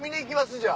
じゃあ。